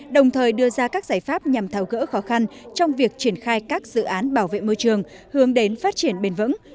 đồng thời đưa ra các giải pháp nhằm thảo gỡ khó khăn trong việc triển khai các dự án bảo vệ môi trường hướng đến phát triển bền vững